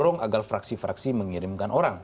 dorong agar fraksi fraksi mengirimkan orang